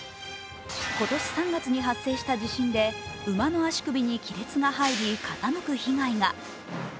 今年３月に発生した地震で馬の足首に亀裂が入り傾く被害が。